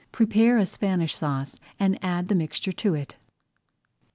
Prepare a Spanish Sauce and add the mixture to it.